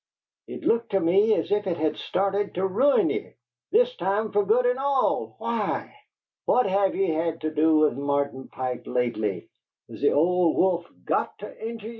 It looked to me as if it had started to ruin ye, this time fer good and all! Why? What have ye had to do with Martin Pike lately? Has the old wolf GOT to injure ye?"